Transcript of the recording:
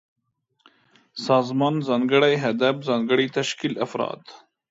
سازمان: ځانګړی هدف، ځانګړی تشکيل ، افراد